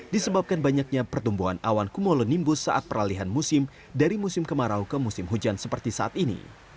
disebabkan banyaknya pertumbuhan awan kumulonimbus saat peralihan musim dari musim kemarau ke musim hujan seperti saat ini